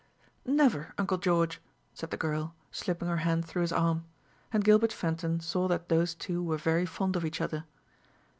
"Never, uncle George," said the girl, slipping her hand through his arm. And Gilbert Fenton saw that those two were very fond of each other.